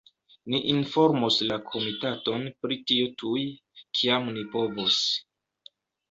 Ni informos la komitaton pri tio tuj, kiam ni povos.